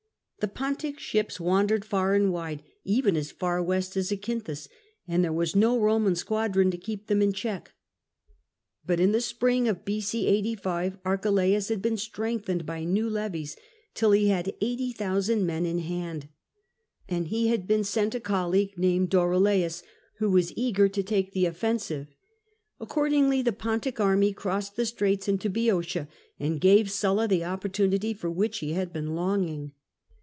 The Pontic ships wandered far and wide, even as far west as ZacynthuS; and there was no Koman squadron to keep them in check. But in the spring of B.o. 85 Archelaus had been strengthened by new levies, till he had 80,000 men in hand. The king wished him to fight, and he had been sent a colleague named Dorylaus, who was eager to take the offensive. Accordingly the Pontic army crossed the straits into Boeotia, and gave Sulla the opportunity for which he had been longing.